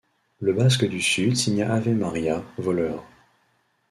Le basque du sud signa Ave-Maria, voleur.